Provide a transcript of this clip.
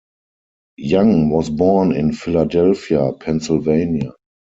Young was born in Philadelphia, Pennsylvania.